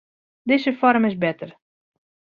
Dizze foarm is better.